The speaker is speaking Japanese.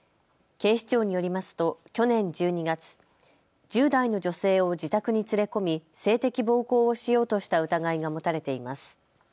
警視庁によりますと去年１２月、１０代の女性を自宅に連れ込み性的暴行をしようとした疑いが持たれています。